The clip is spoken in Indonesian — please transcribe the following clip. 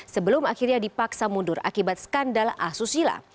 sebelum akhirnya dipaksa mundur akibat skandal asusila